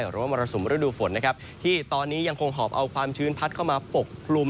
หรือว่ามรสุมฤดูฝนนะครับที่ตอนนี้ยังคงหอบเอาความชื้นพัดเข้ามาปกกลุ่ม